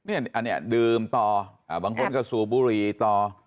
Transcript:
อันนี้ดื่มต่อบางคนก็สูบบุหรี่ต่อ